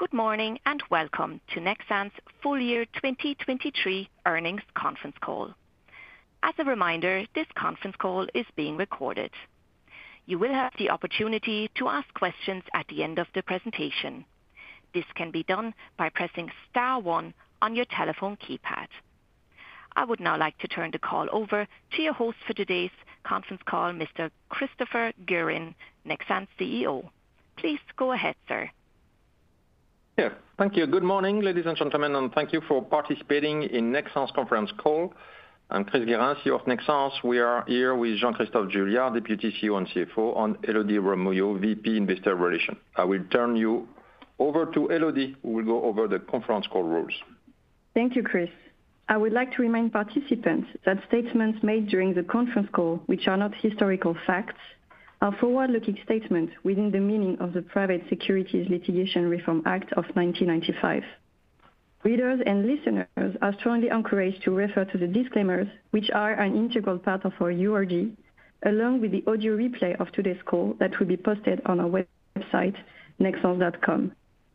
Good morning, and welcome to Nexans' Full Year 2023 Earnings Conference Call. As a reminder, this conference call is being recorded. You will have the opportunity to ask questions at the end of the presentation. This can be done by pressing star one on your telephone keypad. I would now like to turn the call over to your host for today's conference call, Mr. Christopher Guérin, Nexans CEO. Please go ahead, sir. Yeah, thank you. Good morning, ladies and gentlemen, and thank you for participating in Nexans conference call. I'm Chris Guérin, CEO of Nexans. We are here with Jean-Christophe Juillard, Deputy CEO and CFO, and Élodie Robbe-Mouillot, VP, Investor Relations. I will turn you over to Élodie, who will go over the conference call rules. Thank you, Chris. I would like to remind participants that statements made during the conference call, which are not historical facts, are forward-looking statements within the meaning of the Private Securities Litigation Reform Act of 1995. Readers and listeners are strongly encouraged to refer to the disclaimers, which are an integral part of our URD, along with the audio replay of today's call that will be posted on our website, nexans.com.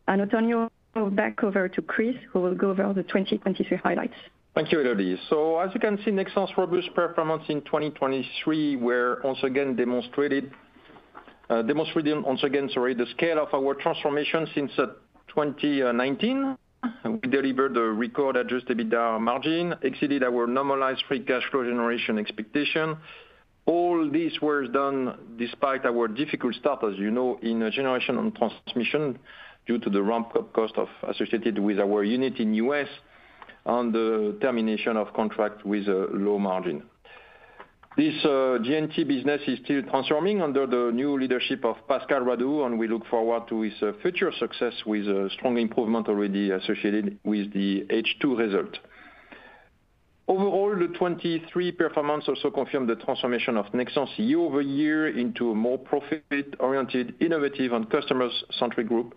Antonio, back over to Chris, who will go over the 2023 highlights. Thank you, Élodie. So as you can see, Nexans' robust performance in 2023 demonstrated once again, sorry, the scale of our transformation since 2019. We delivered a record adjusted EBITDA margin, exceeded our normalized free cash flow generation expectation. All these were done despite our difficult start, as you know, in Generation and Transmission due to the ramp-up costs associated with our unit in the US and the termination of contracts with low margins. This G&T business is still transforming under the new leadership of Pascal Radue, and we look forward to his future success with a strong improvement already associated with the H2 result. Overall, the 2023 performance also confirmed the transformation of Nexans year-over-year into a more profit-oriented, innovative and customer-centric group,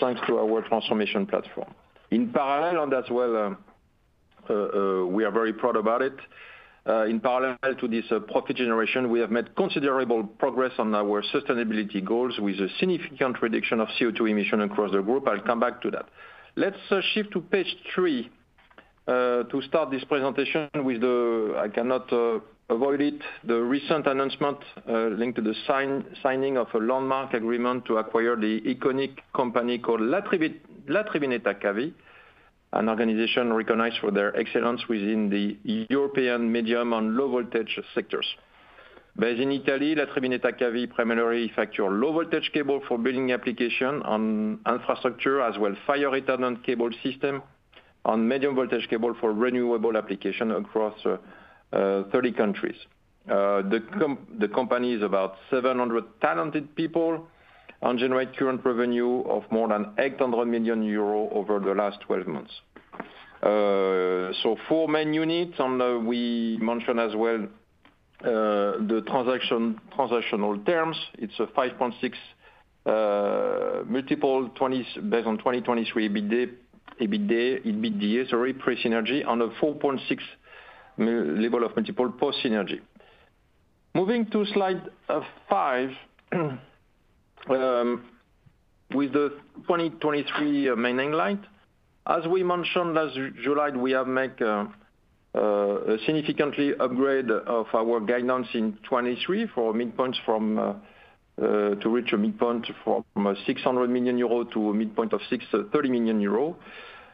thanks to our transformation platform. In parallel, and as well, we are very proud about it. In parallel to this profit generation, we have made considerable progress on our sustainability goals with a significant reduction of CO2 emission across the group. I'll come back to that. Let's shift to page three, to start this presentation with the, I cannot avoid it, the recent announcement, linked to the signing of a landmark agreement to acquire the iconic company called La Triveneta Cavi, an organization recognized for their excellence within the European medium and low voltage sectors. Based in Italy, La Triveneta Cavi primarily manufacture low voltage cable for building application on infrastructure, as well fire-retardant cable system, on medium voltage cable for renewable application across, 30 countries. The company is about 700 talented people and generate current revenue of more than 800 million euros over the last 12 months. So four main units, and we mention as well the transactional terms. It's a 5.6 multiple on 2023 EBITDA, EBITDA, EBITDA, sorry, pre-synergy on a 4.6 multiple post synergy. Moving to slide five with the 2023 main highlight. As we mentioned last July, we have make a significantly upgrade of our guidance in 2023 for midpoints from to reach a midpoint from 600 million euro to a midpoint of 630 million euro.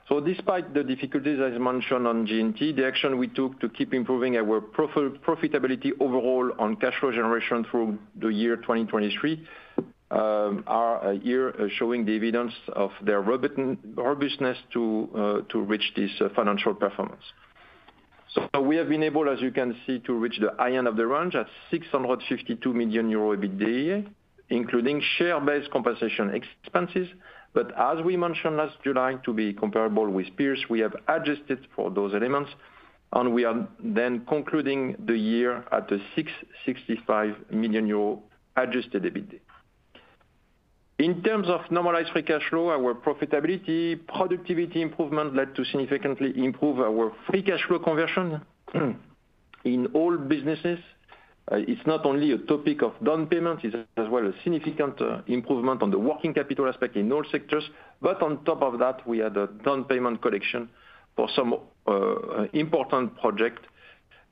So despite the difficulties, as mentioned on G&T, the action we took to keep improving our profitability overall on cash flow generation through the year 2023, is a year showing the evidence of their robustness to reach this financial performance. So we have been able, as you can see, to reach the high end of the range at 652 million euro EBITDA, including share-based compensation expenses. But as we mentioned last July, to be comparable with peers, we have adjusted for those elements, and we are then concluding the year at the 665 million euro adjusted EBITDA. In terms of normalized free cash flow, our profitability, productivity improvement led to significantly improve our free cash flow conversion in all businesses. It's not only a topic of down payment, it's as well a significant improvement on the working capital aspect in all sectors. But on top of that, we had a down payment collection for some important project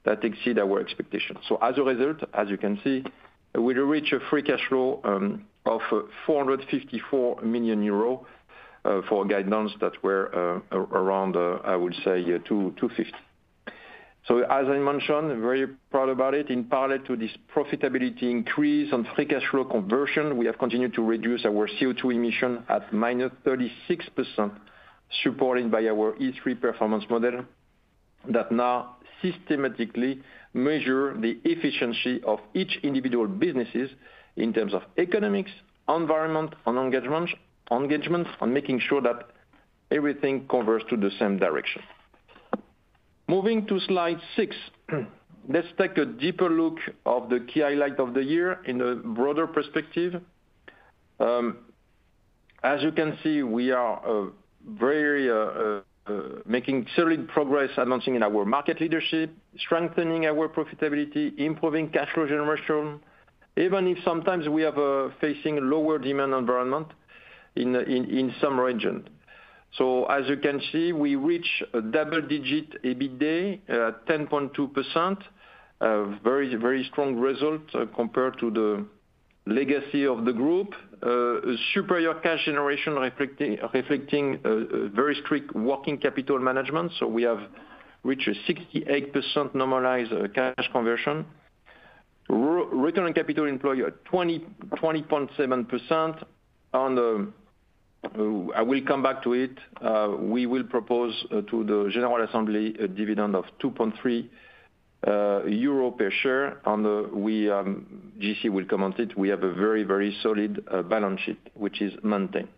that exceed our expectations. So as a result, as you can see, we reach a free cash flow of 454 million euro for guidance that were around, I would say 250 million. So as I mentioned, very proud about it. In parallel to this profitability increase on free cash flow conversion, we have continued to reduce our CO2 emission at -36%, supported by our E3 performance model, that now systematically measure the efficiency of each individual businesses in terms of economics, environment, and engagement, and making sure that everything covers to the same direction. Moving to slide six. Let's take a deeper look of the key highlight of the year in a broader perspective. As you can see, we are very making solid progress and launching in our market leadership, strengthening our profitability, improving cash flow generation, even if sometimes we have facing lower demand environment in some region. So as you can see, we reach a double-digit EBITDA 10.2%. A very, very strong result compared to the legacy of the group. Superior cash generation reflecting very strict working capital management. So we have reached a 68% normalized cash conversion. Return on capital employed at 20.7%. I will come back to it. We will propose to the general assembly a dividend of 2.3 euro per share. GC will comment it. We have a very, very solid balance sheet, which is maintained.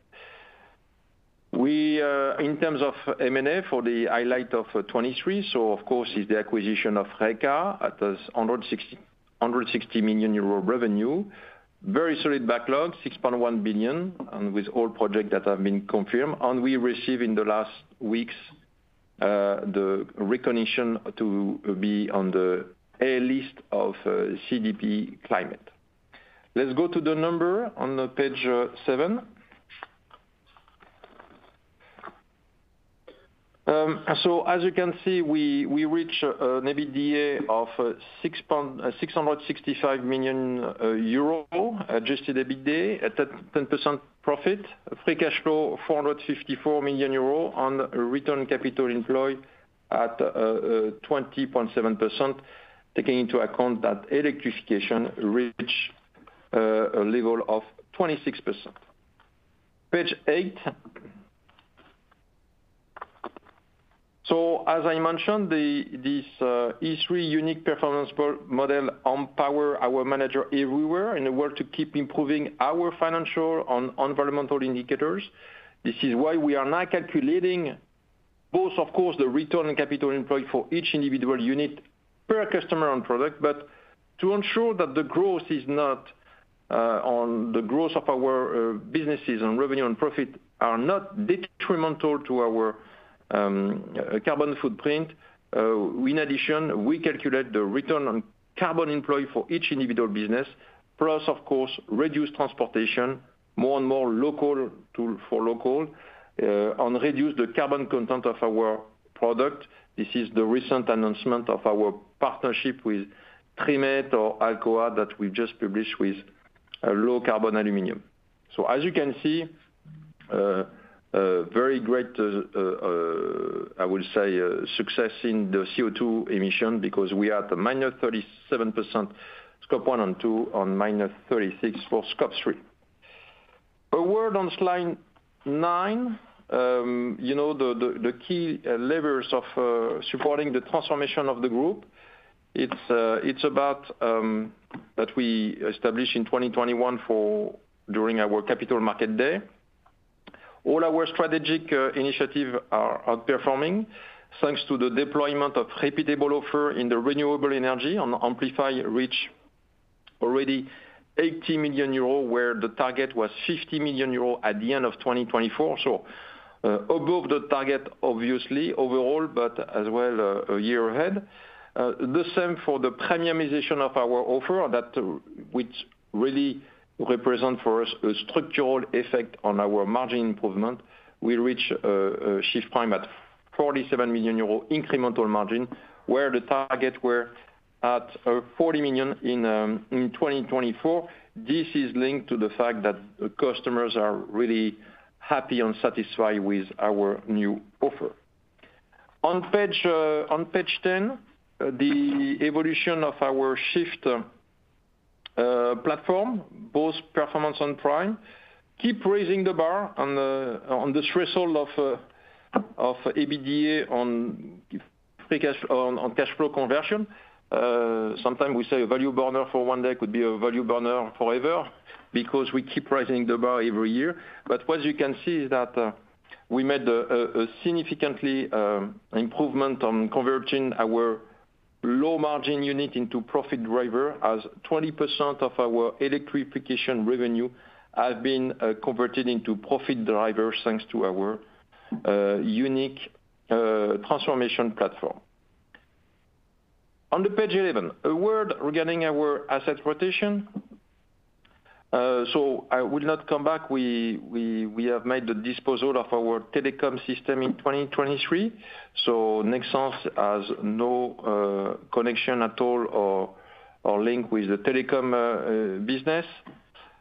We in terms of M&A for the highlight of 2023, so of course, is the acquisition of Reka at 160 million euro revenue. Very solid backlog, 6.1 billion, and with all project that have been confirmed, and we receive in the last weeks the recognition to be on the A List of CDP climate. Let's go to the number on page seven. So as you can see, we, we reach an EBITDA of 665 million euro, adjusted EBITDA at 10% profit. Free cash flow 454 million euro on return on capital employed at 20.7%, taking into account that electrification reach a level of 26%. Page eight. So as I mentioned, this E3 unique performance model empower our manager everywhere, and work to keep improving our financial and environmental indicators. This is why we are now calculating both, of course, the return on capital employed for each individual unit per customer and product, but to ensure that the growth is not on the growth of our businesses and revenue and profit are not detrimental to our carbon footprint. In addition, we calculate the return on carbon employed for each individual business, plus of course, reduce transportation, more and more local for local, and reduce the carbon content of our product. This is the recent announcement of our partnership with Trimet or Alcoa that we just published with a low-carbon aluminum. So as you can see, a very great, I would say, success in the CO2 emission, because we are at the -37% Scope 1 and 2 and -36% for Scope 3. A word on slide nine. You know, the key levers of supporting the transformation of the group. It's about that we established in 2021 during our Capital Market Day. All our strategic initiative are outperforming thanks to the deployment of repeatable offer in the renewable energy on Amplify reach already 80 million euros, where the target was 50 million euros at the end of 2024. So, above the target, obviously overall, but as well, a year ahead. The same for the premiumization of our offer that which really represent for us a structural effect on our margin improvement. We reach SHIFT Prime at 47 million euro incremental margin, where the target were at 40 million in 2024. This is linked to the fact that customers are really happy and satisfied with our new offer. On page 10, the evolution of our SHIFT platform, both Performance and Prime, keep raising the bar on the threshold of EBITDA on free cash on cash flow conversion. Sometimes we say a value burner for one day could be a value burner forever, because we keep raising the bar every year. But what you can see is that we made a significantly improvement on converting our low margin unit into profit driver, as 20% of our electrification revenue have been converted into profit drivers, thanks to our unique Transformation platform. On page 11, a word regarding our asset rotation. So I will not come back. We have made the disposal of our telecom system in 2023, so Nexans has no connection at all or link with the telecom business,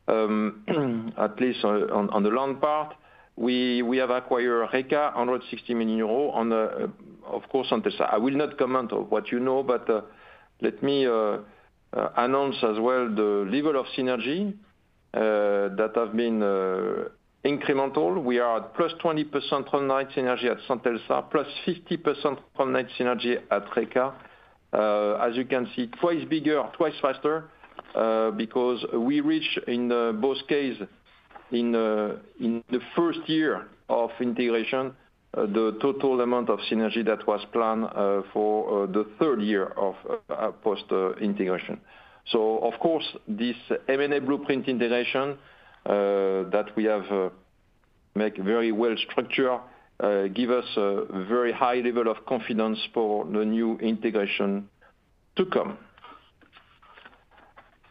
at least on the long part. We have acquired Reka, 160 million euros on the, of course, on this. I will not comment on what you know, but let me announce as well the level of synergy that have been incremental. We are at plus 20% on night synergy at Centelsa, plus 50% on night synergy at Reka. As you can see, twice bigger, twice faster, because we reach in both cases, in the first year of integration, the total amount of synergy that was planned, for the third year of post-integration. So of course, this M&A blueprint integration that we have make very well structure give us a very high level of confidence for the new integration to come.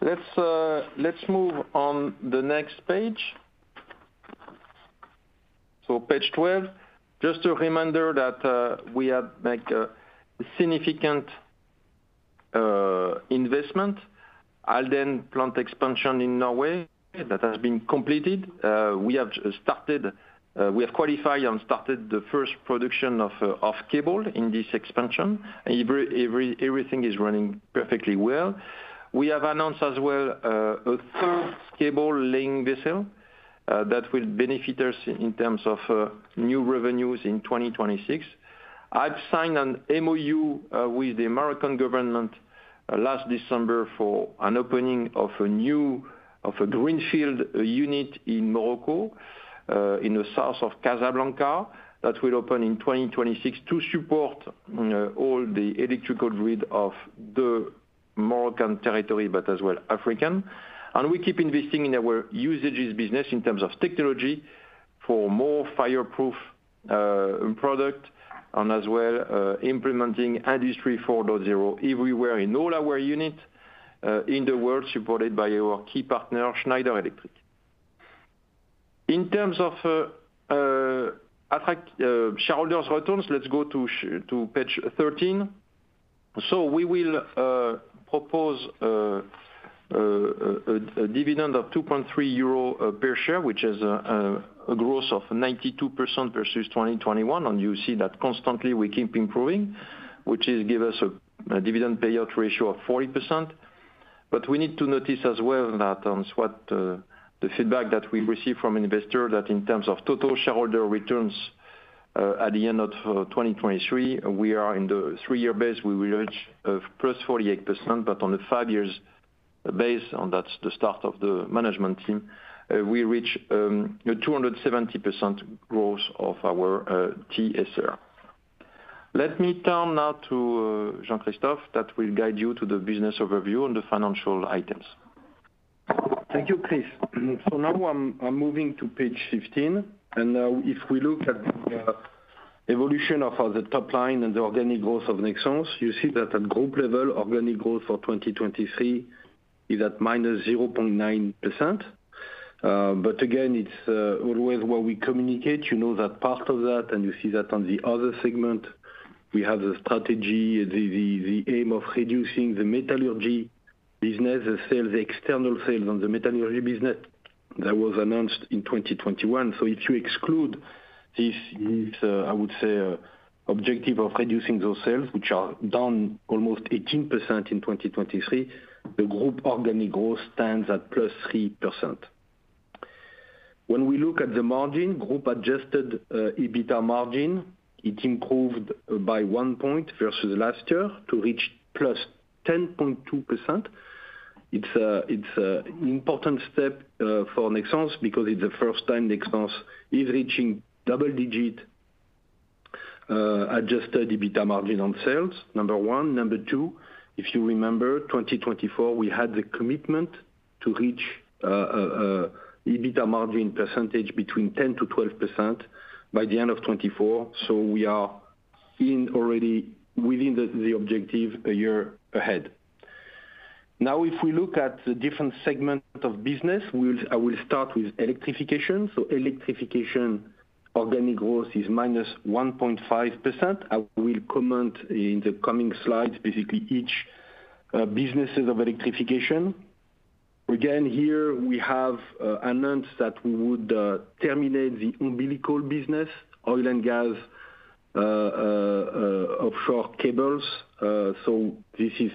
Let's move on the next page. So page 12, just a reminder that we have make a significant investment. Halden plant expansion in Norway that has been completed. We have started, we have qualified and started the first production of cable in this expansion, and everything is running perfectly well. We have announced as well a third cable laying vessel that will benefit us in terms of new revenues in 2026. I've signed an MOU with the American government last December for an opening of a greenfield unit in Morocco in the south of Casablanca. That will open in 2026 to support all the electrical grid of the Moroccan territory, but as well African. And we keep investing in our Usages business in terms of technology for more fireproof product and as well implementing Industry 4.0 everywhere in all our unit in the world, supported by our key partner Schneider Electric. In terms of attractive shareholders' returns, let's go to page 13. So we will propose a dividend of 2.3 euro per share, which is a growth of 92% versus 2021, and you see that constantly we keep improving, which is give us a dividend payout ratio of 40%. But we need to notice as well that on the feedback that we receive from investor, that in terms of total shareholder returns, at the end of 2023, we are in the three-year base, we will reach +48%, but on the five years base, and that's the start of the management team, we reach 270% growth of our TSR. Let me turn now to Jean-Christophe, that will guide you to the business overview and the financial items. Thank you, Chris. So now I'm moving to page 15, and now if we look at the evolution of our, the top line and the organic growth of Nexans, you see that at group level, organic growth for 2023 is at -0.9%. But again, it's always where we communicate, you know that part of that, and you see that on the other segment. We have the strategy, the aim of reducing the metallurgy business, the sales, the external sales on the metallurgy business. That was announced in 2021. So if you exclude this, I would say, objective of reducing those sales, which are down almost 18% in 2023, the group organic growth stands at +3%. When we look at the margin, group adjusted EBITDA margin, it improved by one point versus last year to reach +10.2%. It's a, it's a important step for Nexans because it's the first time Nexans is reaching double-digit adjusted EBITDA margin on sales, number one. Number two, if you remember, 2024, we had the commitment to reach EBITDA margin percentage between 10%-12% by the end of 2024, so we are seeing already within the objective a year ahead. Now, if we look at the different segment of business, I will start with Electrification. So Electrification, organic growth is -1.5%. I will comment in the coming slides, basically, each businesses of Electrification. Again, here we have announced that we would terminate the umbilical business, oil and gas, offshore cables. So this is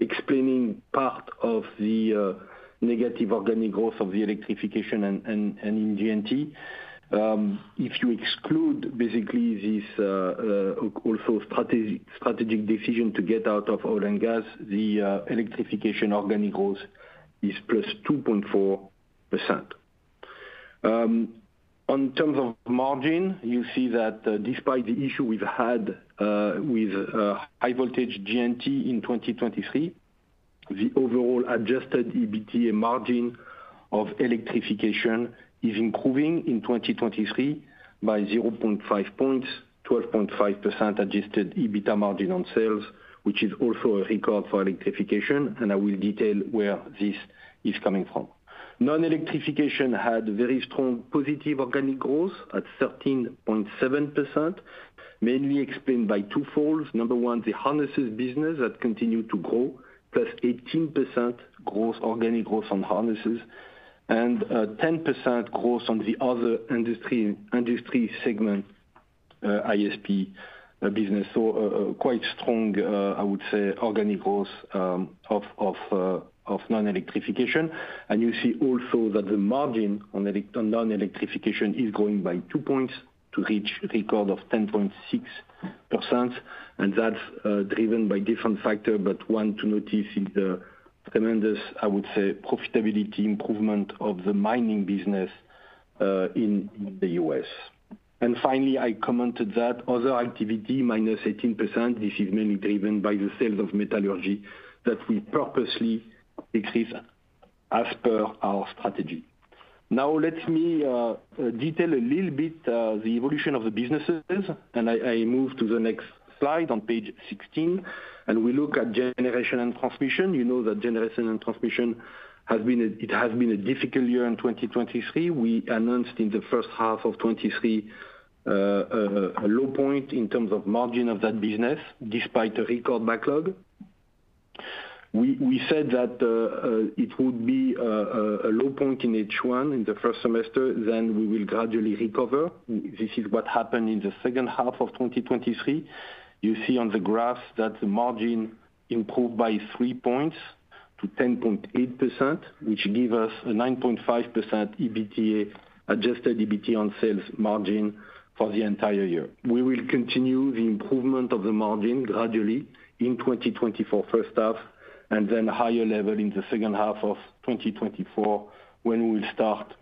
explaining part of the negative organic growth of the Electrification and in G&T. If you exclude, basically, this also strategic decision to get out of oil and gas, the electrification organic growth is +2.4%. On terms of margin, you see that, despite the issue we've had with high voltage G&T in 2023, the overall adjusted EBITDA margin of Electrification is improving in 2023 by 0.5 points, 12.5% adjusted EBITDA margin on sales, which is also a record for Electrification, and I will detail where this is coming from. Non-electrification had very strong positive organic growth at 13.7%, mainly explained by twofolds. Number one, the harnesses business that continued to grow, +18% growth, organic growth on harnesses. And ten percent growth on the other industry, industry segment, ISP business. So, quite strong, I would say, organic growth of non-electrification. And you see also that the margin on non-electrification is growing by 2 points to reach record of 10.6%, and that's driven by different factor. But one to notice is the tremendous, I would say, profitability improvement of the mining business in the U.S. And finally, I commented that other activity -18%, this is mainly driven by the sales of metallurgy that we purposely decrease as per our strategy. Now let me detail a little bit the evolution of the businesses, and I move to the next slide on page 16, and we look at Generation and Transmission. You know that Generation and Transmission has been a, it has been a difficult year in 2023. We announced in the first half of 2023 a low point in terms of margin of that business, despite a record backlog. We said that it would be a low point in H1 in the first semester, then we will gradually recover. This is what happened in the second half of 2023. You see on the graph that the margin improved by 3 points to 10.8%, which give us a 9.5% EBITDA, adjusted EBITDA on sales margin for the entire year. We will continue the improvement of the margin gradually in 2024 first half, and then higher level in the second half of 2024, when we will start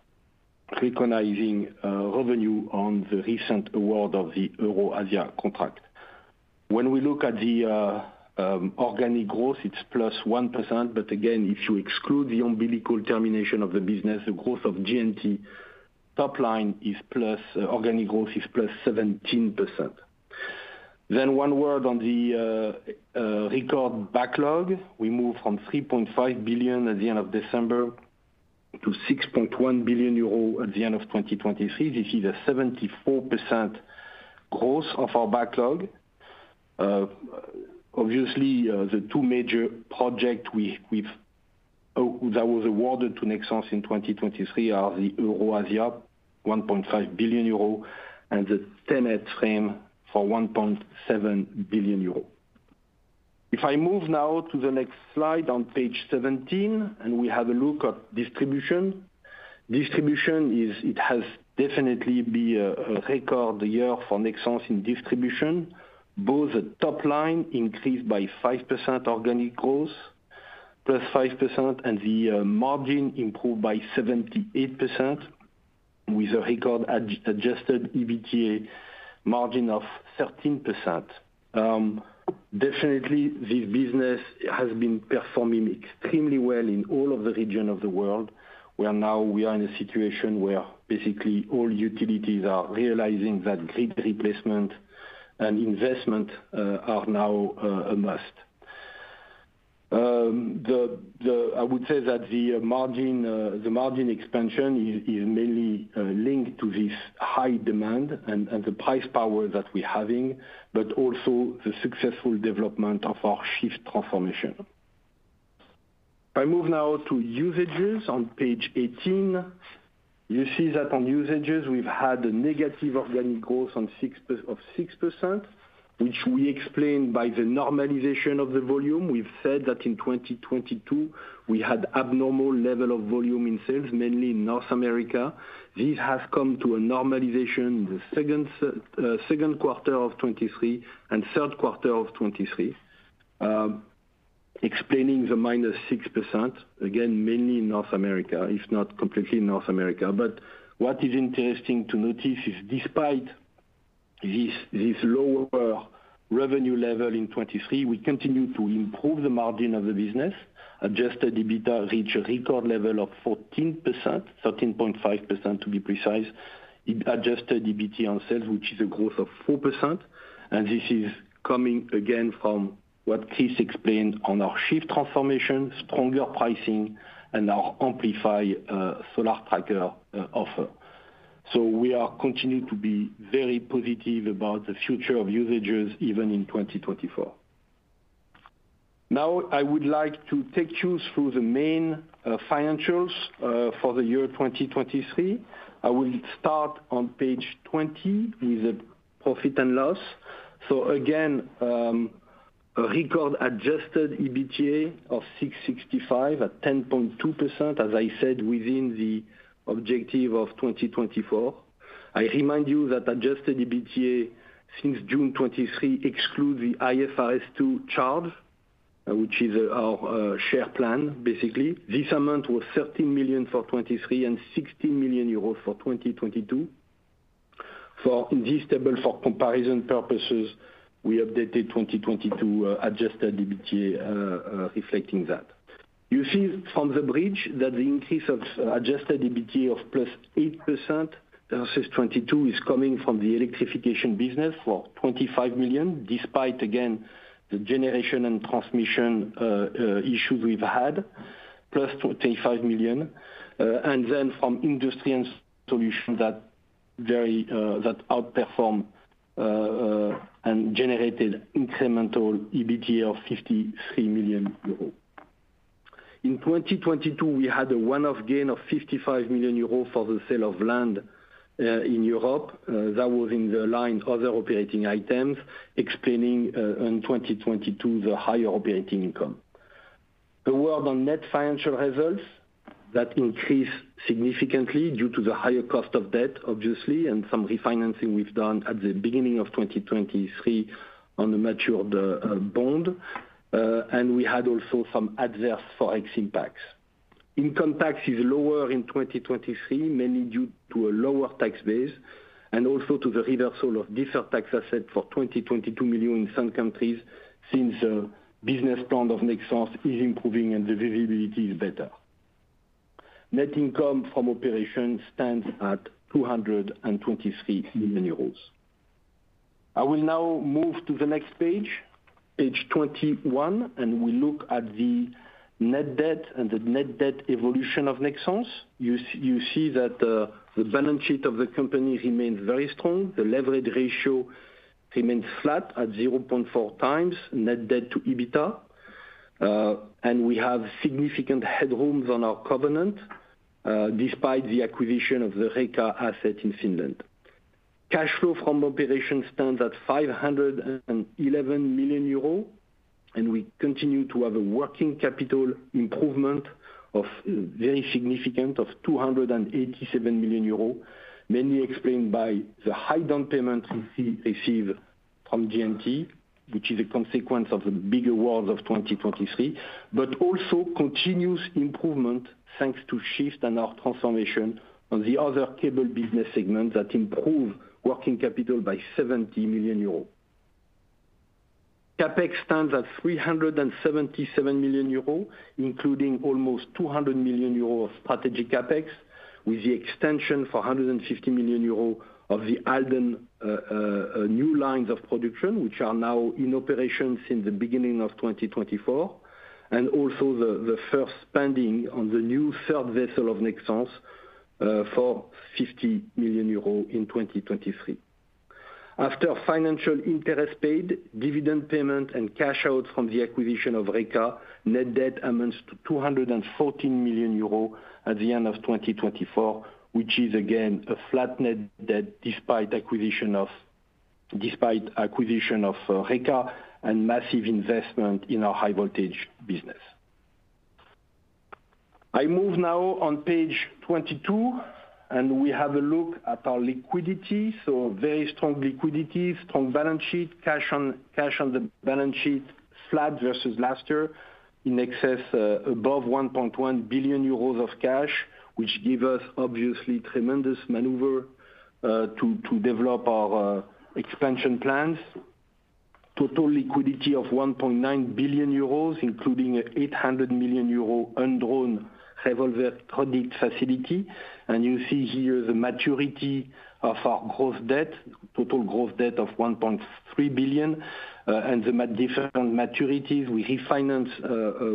recognizing revenue on the recent award of the EuroAsia contract. When we look at the organic growth, it's +1%, but again, if you exclude the umbilical termination of the business, the growth of G&T top line is plus organic growth is +17%. Then one word on the record backlog. We moved from 3.5 billion at the end of December to 6.1 billion euro at the end of 2023. This is a 74% growth of our backlog. Obviously, the two major project that was awarded to Nexans in 2023 are the EuroAsia, 1.5 billion euro, and the TenneT for 1.7 billion euro. If I move now to the next slide on page 17, and we have a look at Distribution. Distribution is, it has definitely been a record year for Nexans in Distribution. Both the top line increased by 5% organic growth, plus 5%, and the margin improved by 78%, with a record adjusted EBITDA margin of 13%. Definitely, this business has been performing extremely well in all of the region of the world, where now we are in a situation where basically all utilities are realizing that grid replacement and investment are now a must. The margin expansion is mainly linked to this high demand and the pricing power that we're having, but also the successful development of our SHIFT transformation. I move now to Usages on page 18. You see that on Usages, we've had a negative organic growth of -6%, which we explained by the normalization of the volume. We've said that in 2022, we had abnormal level of volume in sales, mainly in North America. This has come to a normalization in the second quarter of 2023 and third quarter of 2023. Explaining the -6%, again, mainly in North America, if not completely in North America. But what is interesting to notice is despite this, this lower revenue level in 2023, we continue to improve the margin of the business. Adjusted EBITDA reached a record level of 14%, 13.5%, to be precise. Adjusted EBITDA on sales, which is a growth of 4%. And this is coming again from what Chris explained on our SHIFT transformation, stronger pricing and our Amplify solar tracker offer. So we are continuing to be very positive about the future of Usages even in 2024. Now, I would like to take you through the main financials for the year 2023. I will start on page 20, with the profit and loss. So again, a record adjusted EBITDA of 665 at 10.2%, as I said, within the objective of 2024. I remind you that adjusted EBITDA since June 2023 excludes the IFRS 2 charge, which is our share plan, basically. This amount was 13 million for 2023 and 16 million euros for 2022. For, in this table, for comparison purposes, we updated 2022 adjusted EBITDA, reflecting that. You see from the bridge that the increase of adjusted EBITDA of +8% versus 2022 is coming from the Electrification business for 25 million, despite again, the Generation and Transmission issue we've had, +25 million. And then from Industry and Solutions that outperformed and generated incremental EBITDA of 53 million euros. In 2022, we had a one-off gain of 55 million euros for the sale of land in Europe. That was in the line other operating items, explaining in 2022, the higher operating income. Now on net financial results, that increased significantly due to the higher cost of debt, obviously, and some refinancing we've done at the beginning of 2023 on the maturity of the bond. And we had also some adverse Forex impacts. Income tax is lower in 2023, mainly due to a lower tax base and also to the reversal of deferred tax asset for 22 million in some countries, since the business plan of Nexans is improving and the visibility is better. Net income from operations stands at 223 million euros. I will now move to the next page, page 21, and we look at the net debt and the net debt evolution of Nexans. You see that the balance sheet of the company remains very strong. The leverage ratio remains flat at 0.4 times net debt to EBITDA, and we have significant headrooms on our covenant, despite the acquisition of the Reka asset in Finland. Cash flow from operation stands at 511 million euros, and we continue to have a working capital improvement of very significant, of 287 million euros. Mainly explained by the high down payment we see received from G&T, which is a consequence of the big awards of 2023, but also continuous improvement, thanks to SHIFT and our transformation on the other cable business segment that improve working capital by 70 million euros. CapEx stands at 377 million euros, including almost 200 million euros of strategic CapEx, with the extension for 150 million euros of the Halden new lines of production, which are now in operations in the beginning of 2024, and also the first spending on the new third vessel of Nexans for 50 million euros in 2023. After financial interest paid, dividend payment and cash outs from the acquisition of Reka, net debt amounts to 214 million euros at the end of 2024, which is again a flat net debt despite acquisition of Reka and massive investment in our high voltage business. I move now on page 22, and we have a look at our liquidity. So very strong liquidity, strong balance sheet, cash on, cash on the balance sheet, flat versus last year, in excess, above 1.1 billion euros of cash, which give us obviously tremendous maneuver, to develop our, expansion plans. Total liquidity of 1.9 billion euros, including 800 million euro undrawn revolver credit facility. And you see here the maturity of our gross debt, total gross debt of 1.3 billion, and the different maturities. We refinance,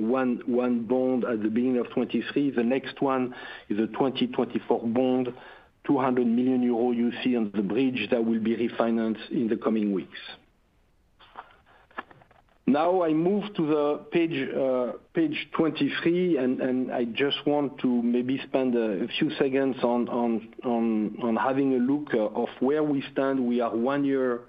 one bond at the beginning of 2023. The next one is a 2024 bond, 200 million euro you see on the bridge that will be refinanced in the coming weeks. Now, I move to the page, page 23, and I just want to maybe spend a few seconds on having a look at where we stand. We are one year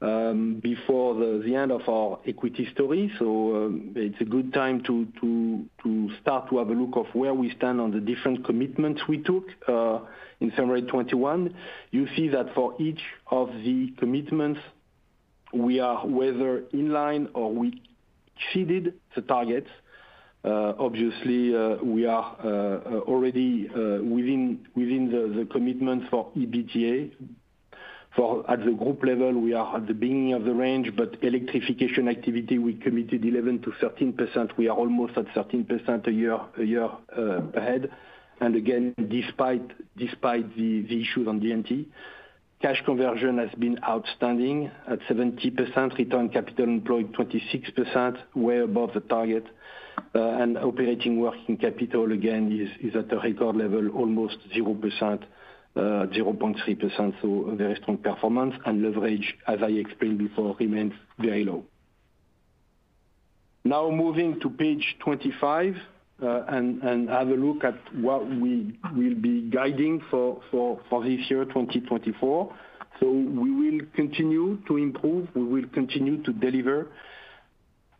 before the end of our equity story, so it's a good time to start to have a look at where we stand on the different commitments we took in February 2021. You see that for each of the commitments, we are whether in line or we exceeded the target. Obviously, we are already within the commitments for EBITDA. For EBITDA at the group level, we are at the beginning of the range, but electrification activity, we committed 11%-13%. We are almost at 13% a year ahead. Again, despite the issues on DNT, cash conversion has been outstanding at 70%, return capital employed 26%, way above the target. And operating working capital, again, is at a record level, almost 0%, 0.3%. So very strong performance and leverage, as I explained before, remains very low. Now, moving to page 25 and have a look at what we will be guiding for this year, 2024. So we will continue to improve, we will continue to deliver,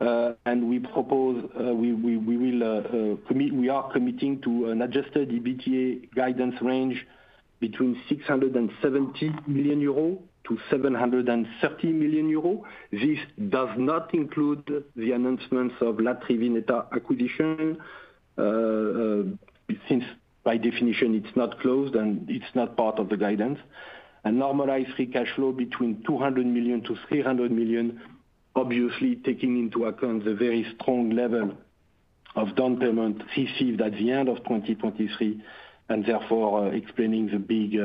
and we propose, we, we will commit - we are committing to an adjusted EBITDA guidance range between 670 million-730 million euro. This does not include the announcements of La Triveneta acquisition, since by definition, it's not closed and it's not part of the guidance. And normalized free cash flow between 200 million-300 million, obviously, taking into account the very strong level of down payment received at the end of 2023, and therefore, explaining the big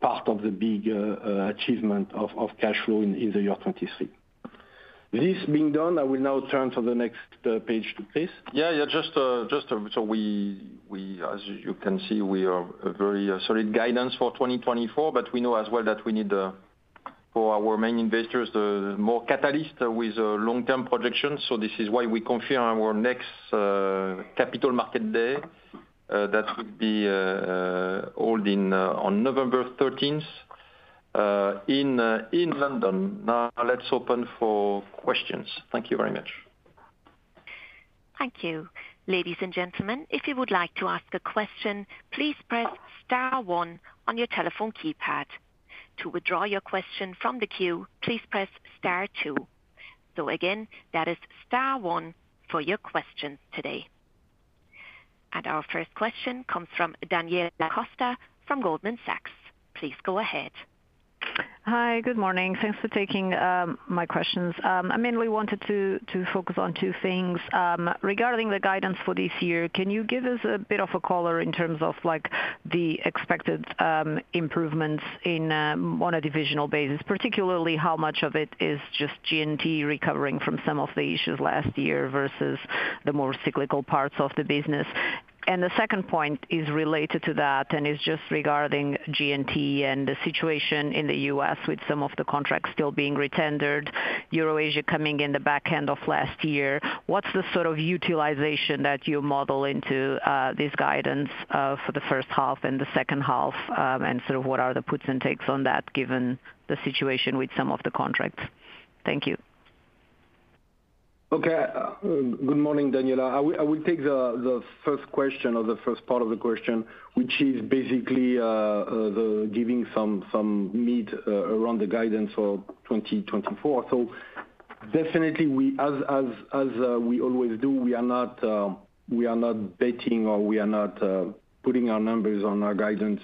part of the big achievement of cash flow in the year 2023. This being done, I will now turn to the next page, please. Yeah, yeah, just, just so we, we as you can see, we are a very solid guidance for 2024, but we know as well that we need, for our main investors, the more catalyst with long-term projections. So this is why we confirm our next, capital market day, that would be, hold in, on November 13th, in London. Now, let's open for questions. Thank you very much. Thank you. Ladies and gentlemen, if you would like to ask a question, please press star one on your telephone keypad. To withdraw your question from the queue, please press star two. So again, that is star one for your questions today. And our first question comes from Daniela Costa from Goldman Sachs. Please go ahead. Hi, good morning. Thanks for taking my questions. I mainly wanted to, to focus on two things. Regarding the guidance for this year, can you give us a bit of a color in terms of, like, the expected improvements in on a divisional basis? Particularly, how much of it is just G&T recovering from some of the issues last year versus the more cyclical parts of the business. And the second point is related to that, and it's just regarding G&T and the situation in the U.S. with some of the contracts still being re-tendered, EuroAsia coming in the back end of last year. What's the sort of utilization that you model into this guidance for the first half and the second half? And sort of what are the puts and takes on that, given the situation with some of the contracts? Thank you. Okay. Good morning, Daniela. I will take the first question or the first part of the question, which is basically the giving some meat around the guidance for 2024. So definitely we as we always do, we are not betting or we are not putting our numbers on our guidance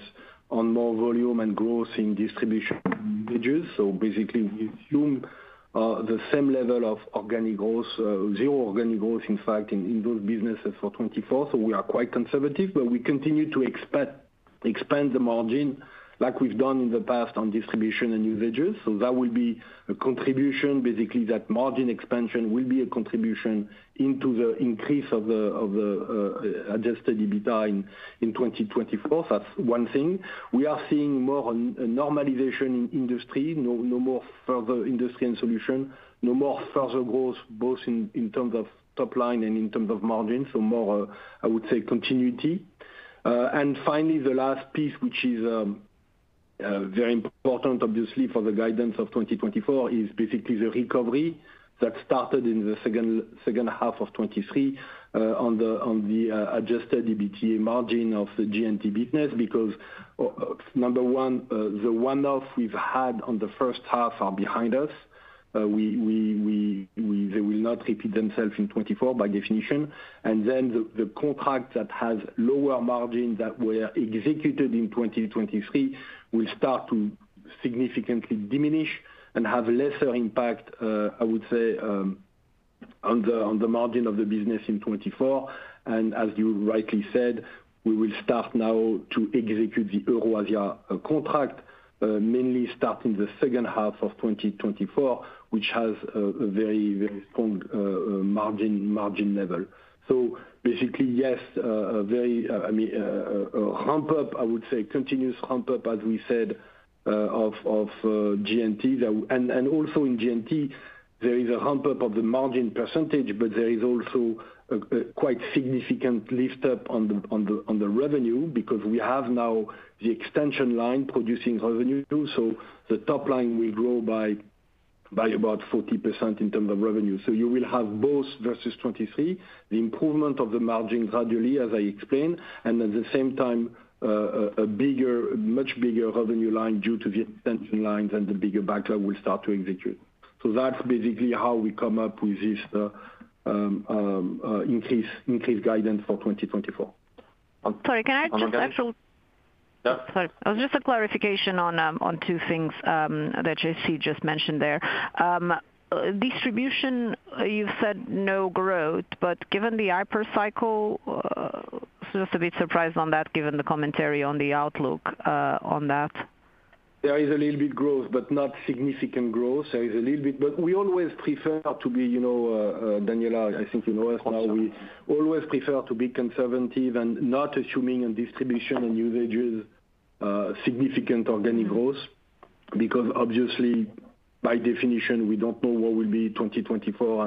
on more volume and growth in Distribution and Usages. So basically, we assume the same level of organic growth, zero organic growth, in fact, in those businesses for 2024, so we are quite conservative. But we continue to expand the margin like we've done in the past on Distribution and Usages. So that will be a contribution. Basically, that margin expansion will be a contribution into the increase of the adjusted EBITDA in 2024. That's one thing. We are seeing more normalization in industry, no, no more further industry and solution, no more further growth, both in terms of top line and in terms of margin. So more, I would say, continuity. And finally, the last piece, which is very important, obviously, for the guidance of 2024, is basically the recovery that started in the second half of 2023, on the adjusted EBITDA margin of the G&T business. Because number one, the one-off we've had on the first half are behind us. They will not repeat themselves in 2024 by definition. Then the contract that has lower margins that were executed in 2023 will start to significantly diminish and have lesser impact, I would say, on the margin of the business in 2024. And as you rightly said, we will start now to execute the EuroAsia contract mainly starting the second half of 2024, which has a very strong margin level. So basically, yes, a very, I mean, a ramp up, I would say, continuous ramp up, as we said, of G&T. And also in G&T, there is a ramp up of the margin percentage, but there is also a quite significant lift up on the revenue, because we have now the extension line producing revenue, too. So the top line will grow by about 40% in terms of revenue. So you will have both versus 2023, the improvement of the margin gradually, as I explained, and at the same time, a bigger, much bigger revenue line due to the extension lines and the bigger backlog will start to execute. So that's basically how we come up with this increase guidance for 2024. Sorry, can I just actual- Yeah. Sorry. Just a clarification on two things that GC just mentioned there. Distribution, you said no growth, but given the hyper cycle, just a bit surprised on that, given the commentary on the outlook on that. There is a little bit growth, but not significant growth. There is a little bit, but we always prefer to be, you know, Daniela, I think you know us well. We always prefer to be conservative and not assuming in Distribution and Usages significant organic growth, because obviously, by definition, we don't know what will be 2024.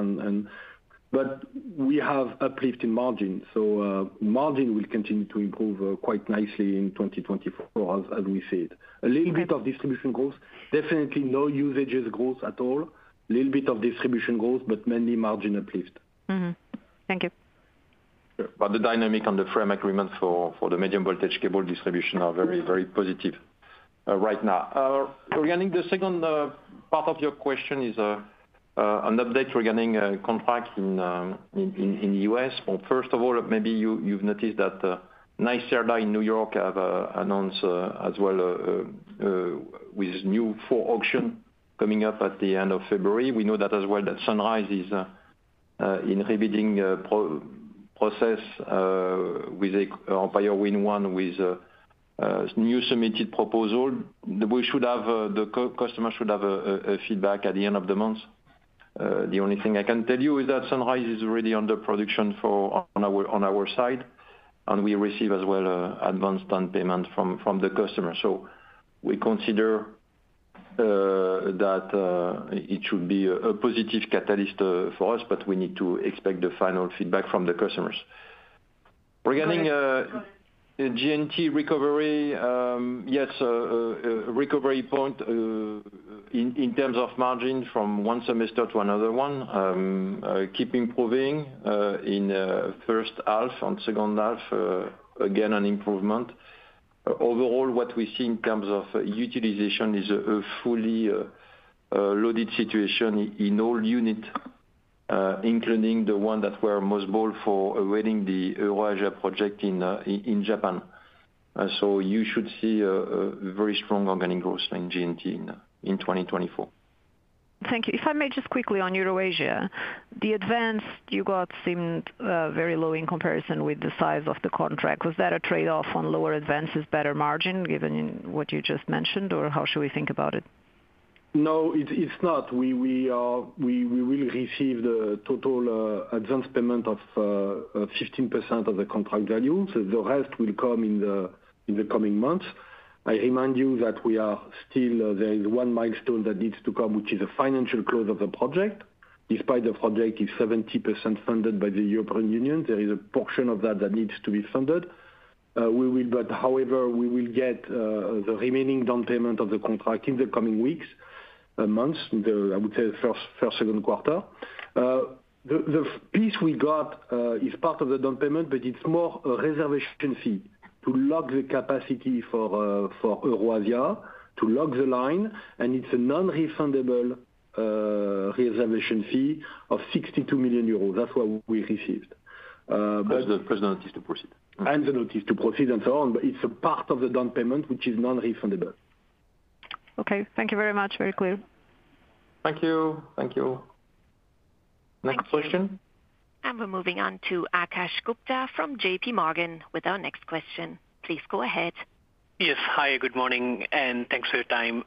But we have uplift in margin, so margin will continue to improve quite nicely in 2024, as we said. A little bit of Distribution growth, definitely no Usages growth at all. Little bit of Distribution growth, but mainly margin uplift. Mm-hmm. Thank you. But the dynamic on the frame agreement for, for the medium voltage cable distribution are very, very positive, right now. Regarding the second part of your question is an update regarding contract in the U.S. Well, first of all, maybe you, you've noticed that, NYSERDA in New York have announced, as well, with a new offshore auction coming up at the end of February. We know that as well, that Sunrise Wind is in rebidding process, with Empire Wind One with a new submitted proposal. We should have the customer should have a feedback at the end of the month. The only thing I can tell you is that Sunrise is already under production for on our side, and we receive as well advanced on payment from the customer. So we consider that it should be a positive catalyst for us, but we need to expect the final feedback from the customers. Regarding G&T recovery, yes, recovery point in terms of margin from one semester to another one keep improving in first half and second half, again, an improvement. Overall, what we see in terms of utilization is a fully loaded situation in all units, including the one that were most bold for awarding the EuroAsia project in Japan. So you should see a very strong organic growth in G&T in 2024. Thank you. If I may just quickly on EuroAsia, the advance you got seemed very low in comparison with the size of the contract. Was that a trade-off on lower advances, better margin, given in what you just mentioned, or how should we think about it? No, it's not. We will receive the total advance payment of 15% of the contract value. So the rest will come in the coming months. I remind you that we are still, there is one milestone that needs to come, which is a financial close of the project. Despite the project is 70% funded by the European Union, there is a portion of that that needs to be funded. We will, but however, we will get the remaining down payment of the contract in the coming weeks, months. The, I would say, the first, second quarter. The piece we got is part of the down payment, but it's more a reservation fee to lock the capacity for EuroAsia, to lock the line, and it's a non-refundable reservation fee of 62 million euros. That's what we received, but- Plus the notice to proceed. And the notice to proceed and so on, but it's a part of the down payment, which is non-refundable. Okay, thank you very much. Very clear. Thank you. Thank you. Next question? We're moving on to Akash Gupta from JPMorgan with our next question. Please go ahead. Yes. Hi, good morning, and thanks for your time.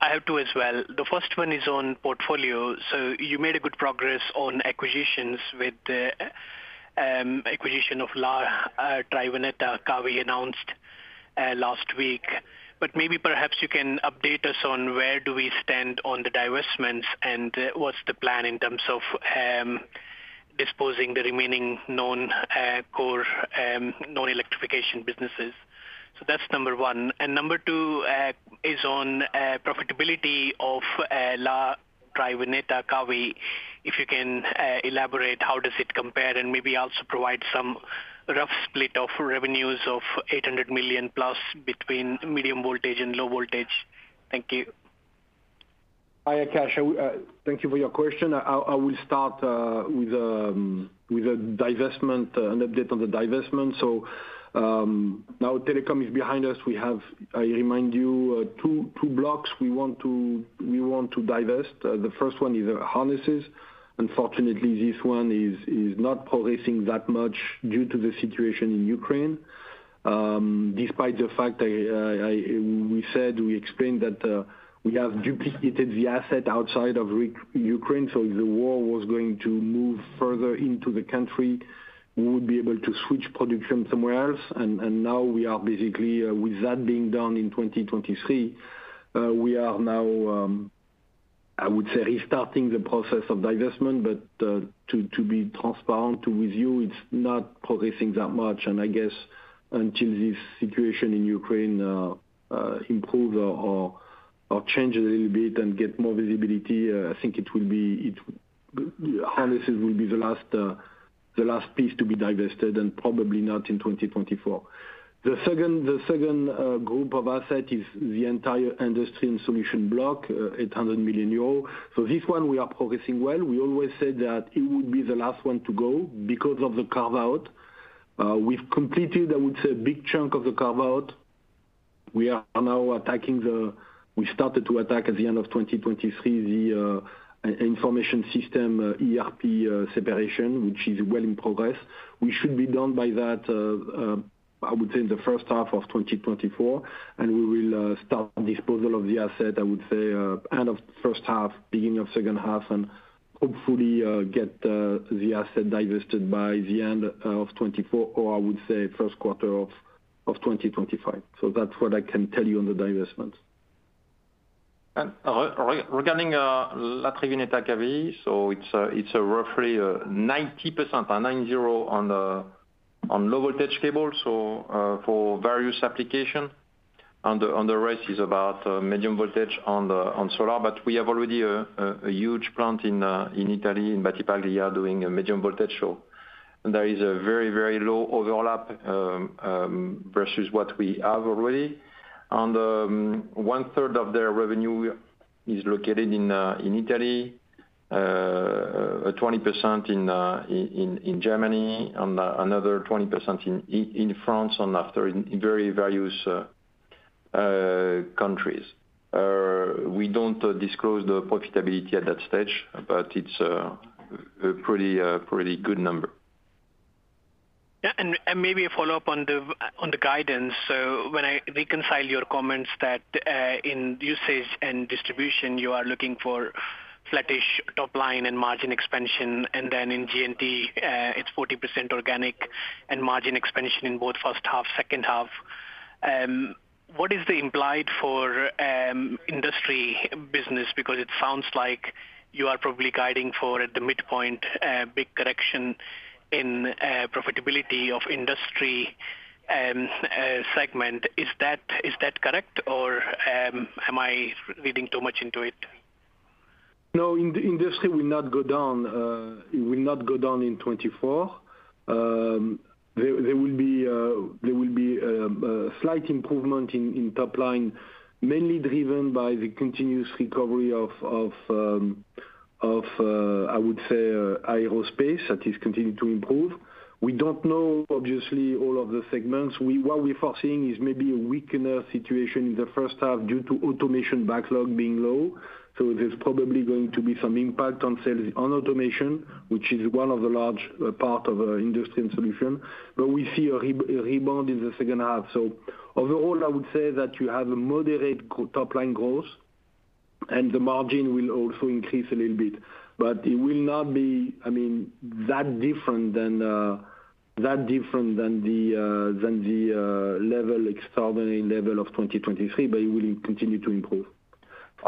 I have two as well. The first one is on portfolio. So you made a good progress on acquisitions with the acquisition of La Triveneta Cavi announced last week. But maybe perhaps you can update us on where do we stand on the divestments, and what's the plan in terms of disposing the remaining known core non-electrification businesses? So that's number one. Number two is on profitability of La Triveneta Cavi. If you can elaborate, how does it compare, and maybe also provide some rough split of revenues of 800 million plus between medium voltage and low voltage. Thank you. Hi, Akash. Thank you for your question. I will start with a divestment, an update on the divestment. So, now telecom is behind us. We have, I remind you, two blocks we want to divest. The first one is harnesses. Unfortunately, this one is not progressing that much due to the situation in Ukraine. Despite the fact we said, we explained that, we have duplicated the asset outside of Ukraine, so if the war was going to move further into the country, we would be able to switch production somewhere else. And now we are basically with that being done in 2023, we are now, I would say, restarting the process of divestment. But to be transparent with you, it's not progressing that much. And I guess until this situation in Ukraine improve or change a little bit and get more visibility, I think it will be, harnesses will be the last piece to be divested, and probably not in 2024. The second group of asset is the entire Industry and Solutions block, 800 million euros. So this one we are progressing well. We always said that it would be the last one to go because of the carve-out. We've completed, I would say, a big chunk of the carve-out. We are now attacking the- we started to attack at the end of 2023, the information system, ERP separation, which is well in progress. We should be done by that, I would say, in the first half of 2024, and we will start disposal of the asset, I would say, end of first half, beginning of second half, and hopefully get the asset divested by the end of 2024, or I would say, first quarter of 2025. So that's what I can tell you on the divestment. And regarding La Triveneta Cavi, so it's a roughly 90%, nine zero on the low voltage cable, so for various application. And the rest is about medium voltage on the solar. But we have already a huge plant in Italy, in Battipaglia, doing a medium voltage. So there is a very, very low overlap versus what we have already. One third of their revenue is located in Italy, 20% in Germany, and another 20% in France, and the rest in various countries. We don't disclose the profitability at that stage, but it's a pretty good number. Yeah, and, and maybe a follow-up on the, on the guidance. So when I reconcile your comments that, in Usage and Distribution, you are looking for flattish top line and margin expansion, and then in G&T, it's 40% organic and margin expansion in both first half, second half. What is the implied for, Industry business? Because it sounds like you are probably guiding for, at the midpoint, a big correction in, profitability of Industry, segment. Is that, is that correct, or, am I reading too much into it? No, in the Industry will not go down, it will not go down in 2024. There will be slight improvement in top line, mainly driven by the continuous recovery of of I would say aerospace, that is continuing to improve. We don't know, obviously, all of the segments. We, what we're foreseeing is maybe a weaker situation in the first half due to automation backlog being low. So there's probably going to be some impact on sales on automation, which is one of the large part of our Industry and Solution, but we see a rebound in the second half. So overall, I would say that you have a moderate top line growth, and the margin will also increase a little bit, but it will not be, I mean, that different than that different than the level, extraordinary level of 2023, but it will continue to improve.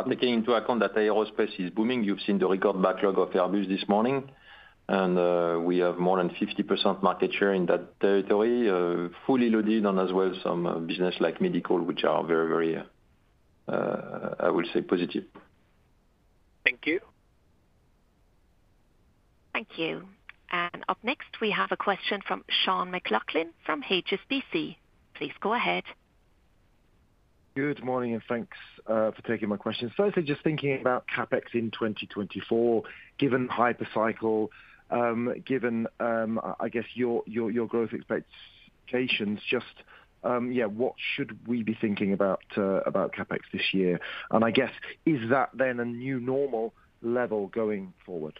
Taking into account that aerospace is booming, you've seen the record backlog of Airbus this morning, and we have more than 50% market share in that territory, fully loaded, and as well, some business like medical, which are very, very, I would say positive. Thank you. Thank you. And up next, we have a question from Sean McLoughlin from HSBC. Please go ahead. Good morning, and thanks for taking my question. Firstly, just thinking about CapEx in 2024, given hypercycle, given, I guess, your growth expectations, just, yeah, what should we be thinking about, about CapEx this year? And I guess, is that then a new normal level going forward?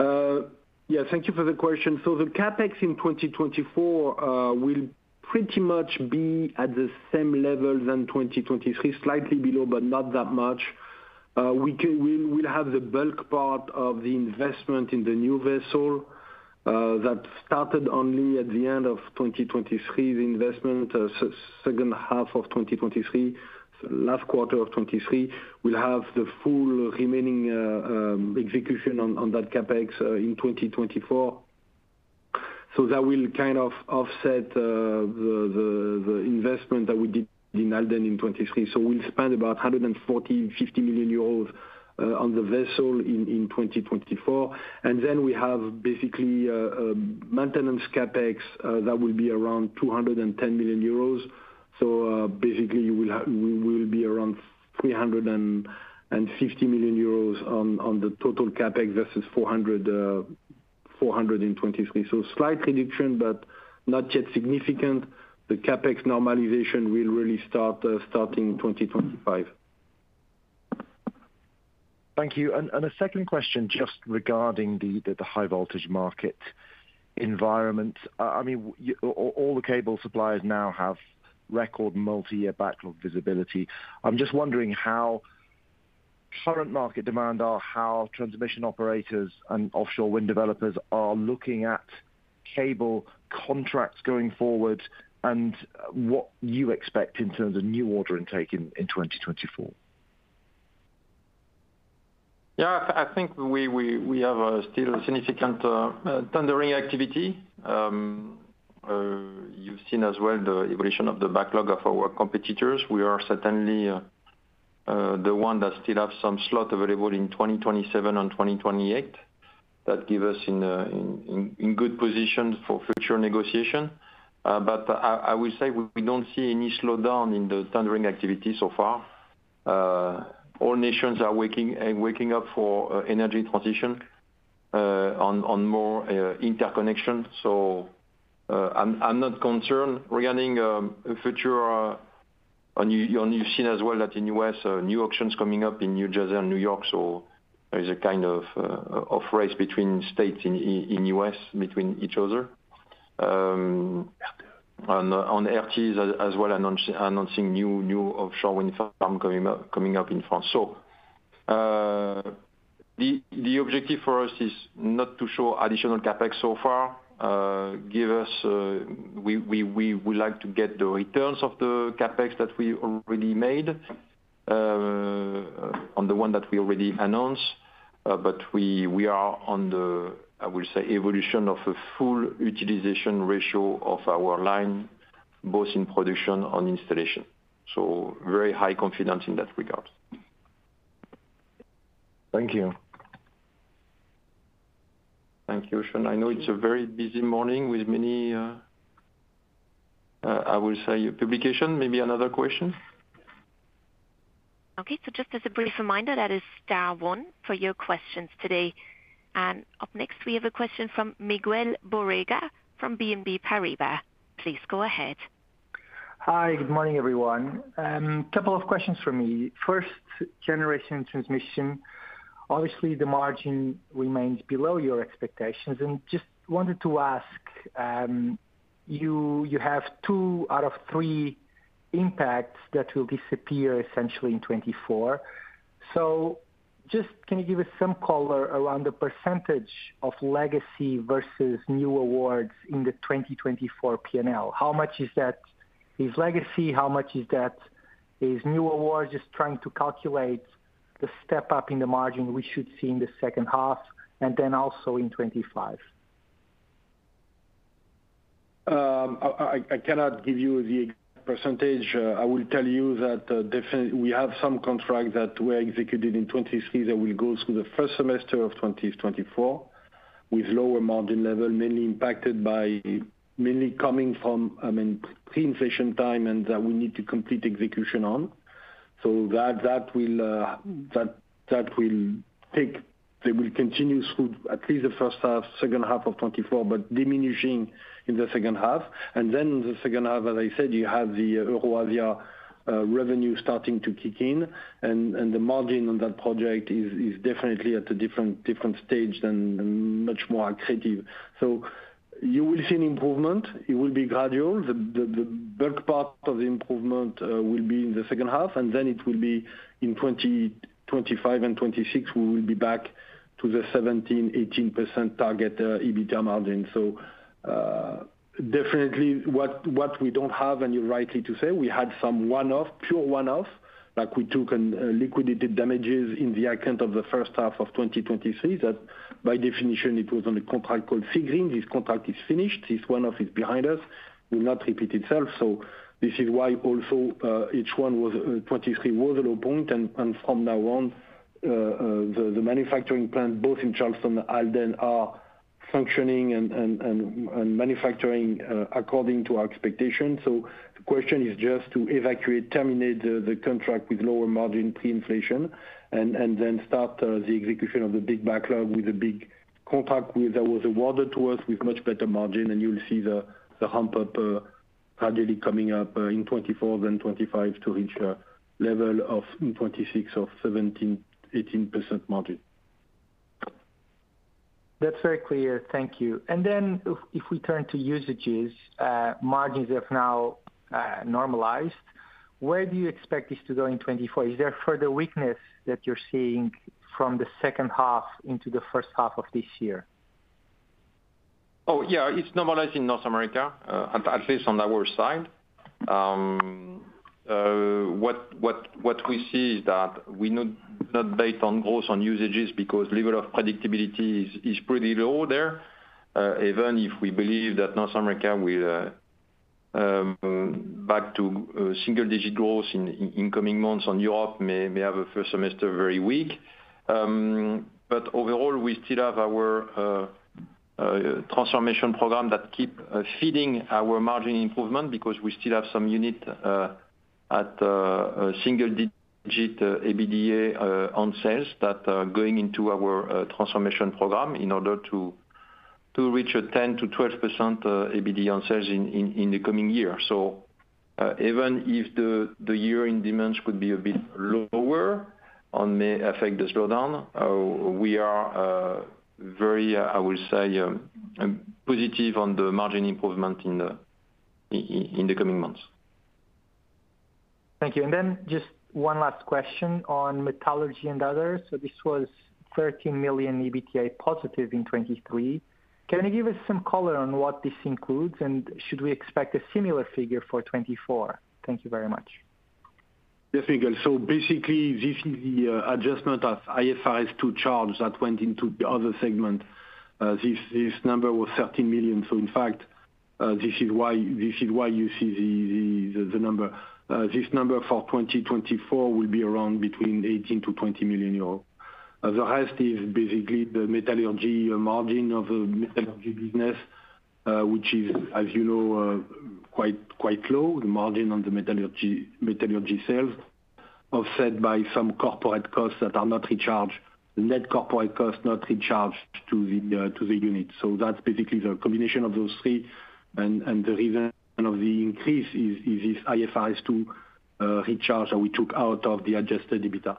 Yeah, thank you for the question. So the CapEx in 2024 will pretty much be at the same level than 2023, slightly below, but not that much. We'll have the bulk part of the investment in the new vessel that started only at the end of 2023, the investment, second half of 2023, last quarter of 2023. We'll have the full remaining execution on that CapEx in 2024. So that will kind of offset the investment that we did in Halden in 2023. So we'll spend about 140-150 million euros on the vessel in 2024. And then we have basically maintenance CapEx that will be around 210 million euros. Basically, we will be around 350 million euros on the total CapEx versus 400 million in 2023. Slight reduction, but not yet significant. The CapEx normalization will really start starting 2025. Thank you. A second question just regarding the high voltage market environment. I mean, all the cable suppliers now have record multi-year backlog visibility. I'm just wondering how current market demand are, how Transmission operators and offshore wind developers are looking at cable contracts going forward, and what you expect in terms of new order intake in 2024? Yeah, I think we have a still significant tendering activity. You've seen as well the evolution of the backlog of our competitors. We are certainly the one that still have some slot available in 2027 and 2028. That give us in good position for future negotiation. But I will say we don't see any slowdown in the tendering activity so far. All nations are waking up for energy transition on more interconnection. So, I'm not concerned regarding future and you've seen as well that in U.S. new auctions coming up in New Jersey and New York. So there is a kind of race between states in U.S., between each other. On RTE as well announcing new offshore wind farm coming up in France. So, the objective for us is not to show additional CapEx so far. Give us, we would like to get the returns of the CapEx that we already made on the one that we already announced. But we are on the evolution of a full utilization ratio of our line, both in production and installation. So very high confidence in that regard. Thank you. Thank you, Sean. I know it's a very busy morning with many, I will say publications, maybe another question? Okay, so just as a brief reminder, that is star one for your questions today. Up next, we have a question from Miguel Borrega, from BNP Paribas. Please go ahead. Hi, good morning, everyone. Couple of questions from me. First, Generation and Transmission. Obviously, the margin remains below your expectations, and just wanted to ask, you, you have two out of three impacts that will disappear essentially in 2024. So just, can you give us some color around the percentage of legacy versus new awards in the 2024 P&L? How much is that is legacy, how much is that is new awards? Just trying to calculate the step up in the margin we should see in the second half, and then also in 2025. I cannot give you the percentage. I will tell you that definitely we have some contracts that were executed in 2023, that will go through the first semester of 2024, with lower margin level, mainly impacted by mainly coming from, I mean, pre-inflation time, and that we need to complete execution on. So that will take. They will continue through at least the first half, second half of 2024, but diminishing in the second half. And then the second half, as I said, you have the revenue starting to kick in, and the margin on that project is definitely at a different stage than much more accretive. So you will see an improvement. It will be gradual. The bulk part of the improvement will be in the second half, and then it will be in 2025 and 2026, we will be back to the 17%-18% target EBITDA margin. So, definitely, what we don't have, and you're rightly to say, we had some one-off, pure one-off, like we took and liquidated damages in the account of the first half of 2023, that by definition it was on a contract called figurine. This contract is finished. This one-off is behind us, will not repeat itself. So this is why also, each one was 2023 was a low point, and from now on, the manufacturing plant, both in Charleston and Halden, are functioning and manufacturing according to our expectations. So the question is just to evacuate, terminate the contract with lower margin pre-inflation, and then start the execution of the big backlog with a big contract with—that was awarded to us with much better margin. And you will see the hump up gradually coming up in 2024 then 2025 to reach a level of in 2026 of 17%-18% margin. That's very clear. Thank you. And then if we turn to Usages, margins have now normalized, where do you expect this to go in 2024? Is there further weakness that you're seeing from the second half into the first half of this year? Oh, yeah, it's normalized in North America, at least on our side. We see is that we do not bet on growth on Usages because level of predictability is pretty low there. Even if we believe that North America will back to single-digit growth in coming months, and Europe may have a first semester very weak. But overall, we still have our transformation program that keep feeding our margin improvement because we still have some unit at a single-digit EBITDA on sales that are going into our transformation program in order to reach a 10%-12% EBITDA on sales in the coming year. So, even if the year-end demands could be a bit lower, which may affect the slowdown, we are very, I will say, positive on the margin improvement in the coming months. Thank you. Just one last question on metallurgy and others. This was 13 million EBITDA positive in 2023. Can you give us some color on what this includes? And should we expect a similar figure for 2024? Thank you very much. Yes, Miguel. So basically, this is the adjustment of IFRS to charge that went into the other segment. This number was 13 million. So in fact, this is why you see the number. This number for 2024 will be around between 18-20 million euros. The rest is basically the metallurgy margin of the metallurgy business, which is, as you know, quite low. The margin on the metallurgy sales, offset by some corporate costs that are not recharged, net corporate costs not recharged to the unit. So that's basically the combination of those three. The reason of the increase is this IFRS to recharge that we took out of the adjusted EBITDA.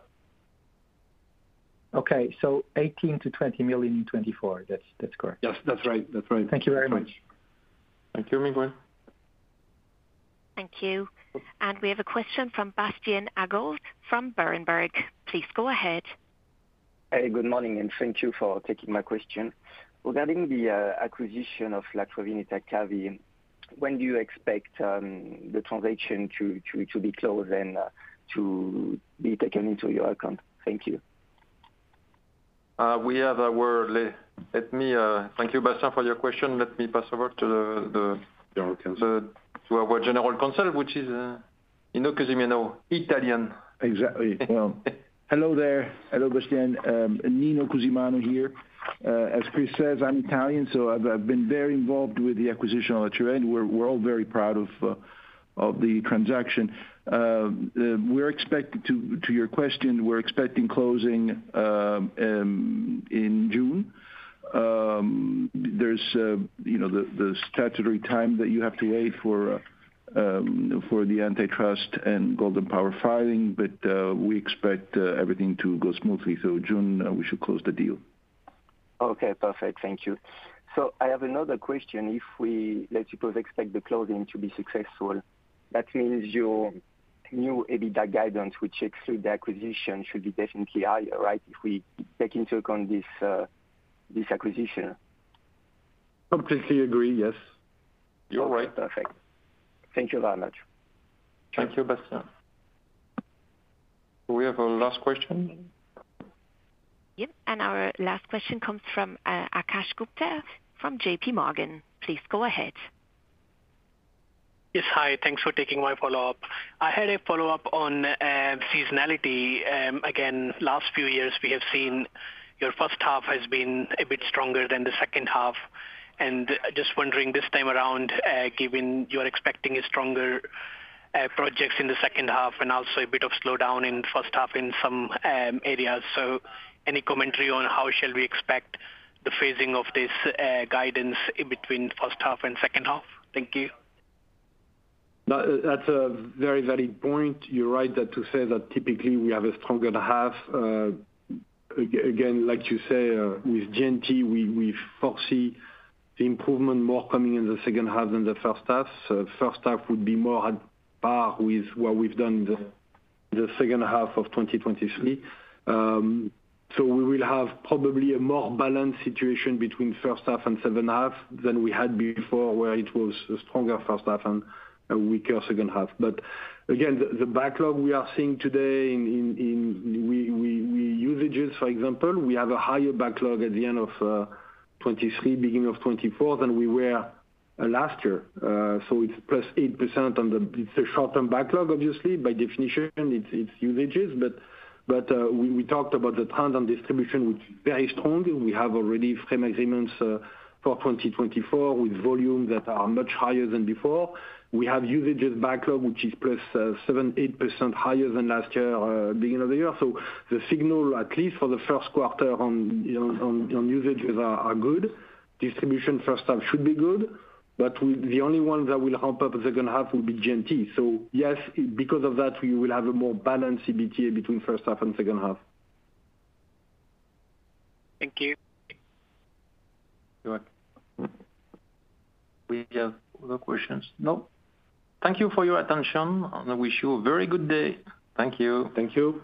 Okay, so 18 million-20 million in 2024. That's correct? Yes, that's right. That's right. Thank you very much. Thank you, Miguel. Thank you. We have a question from Bastien Agaud from Berenberg. Please go ahead. Hey, good morning, and thank you for taking my question. Regarding the acquisition of La Triveneta Cavi, when do you expect the transaction to be closed and to be taken into your account? Thank you. Thank you, Bastien, for your question. Let me pass over to the- General counsel. To our General Counsel, which is, Nino Cusimano, Italian. Exactly. Well, hello there. Hello, Bastien. Nino Cusimano here. As Chris says, I'm Italian, so I've, I've been very involved with the acquisition on the terrain. We're, we're all very proud of, of the transaction. We're expecting to, to your question, we're expecting closing in June. There's, you know, the, the statutory time that you have to wait for, for the antitrust and Golden Power filing, but, we expect everything to go smoothly. So June, we should close the deal. Okay, perfect. Thank you. So I have another question. If we, let's suppose, expect the closing to be successful, that means your new EBITDA guidance, which exclude the acquisition, should be definitely higher, right? If we take into account this, this acquisition. Completely agree. Yes, you're right. Perfect. Thank you very much. Thank you, Bastien. Do we have a last question? Yep, and our last question comes from Akash Gupta from JPMorgan. Please go ahead. Yes. Hi, thanks for taking my follow-up. I had a follow-up on seasonality. Again, last few years, we have seen your first half has been a bit stronger than the second half. And just wondering this time around, given you are expecting a stronger projects in the second half and also a bit of slowdown in first half in some areas. So any commentary on how shall we expect the phasing of this guidance in between first half and second half? Thank you. That, that's a very, very valid point. You're right that to say that typically we have a stronger half. Again, like you say, with G&T, we foresee the improvement more coming in the second half than the first half. So first half would be more at par with what we've done the second half of 2023. So we will have probably a more balanced situation between first half and second half than we had before, where it was a stronger first half and a weaker second half. But again, the backlog we are seeing today in Usage, for example, we have a higher backlog at the end of 2023, beginning of 2024 than we were last year. So it's +8% on the, it's a short-term backlog, obviously, by definition, it's Usages. But we talked about the trend on distribution, which very strong. We have already framework agreements for 2024, with volumes that are much higher than before. We have Usages backlog, which is +7% to 8% higher than last year, beginning of the year. So the signal, at least for the first quarter on Usages are good. Distribution first half should be good, but we—the only one that will hump up the second half will be G&T. So yes, because of that, we will have a more balanced EBITDA between first half and second half. Thank you. You're welcome. We have other questions? No. Thank you for your attention, and I wish you a very good day. Thank you. Thank you.